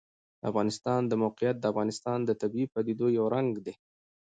د افغانستان د موقعیت د افغانستان د طبیعي پدیدو یو رنګ دی.